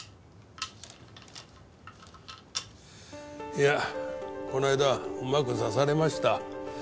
いやこの間はうまく指されました。